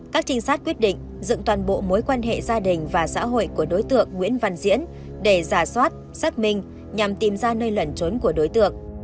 các trinh sát quyết định dựng toàn bộ mối quan hệ gia đình và xã hội của đối tượng nguyễn văn diễn để giả soát xác minh nhằm tìm ra nơi lẩn trốn của đối tượng